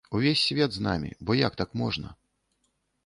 Увесь свет з намі, бо як так можна!?